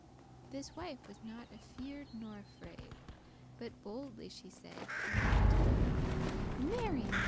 This wife was not afeared nor afraid, But boldely she said, and that anon; "Mary!